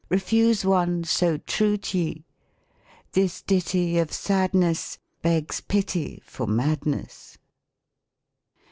Refuse one So true t' ye ? This ditty Of sadness Begs pity For madness."